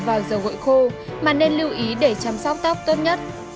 các bạn nên sử dụng dầu gội khô để chăm sóc tóc tốt nhất